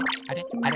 あれ？